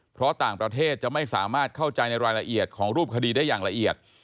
เพราะต่างประเทศจะไม่สามารถเข้าใจในรายละเอียดของรูปคดีได้อย่างละเอียด